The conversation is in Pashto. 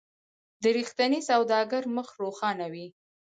د رښتیني سوداګر مخ روښانه وي.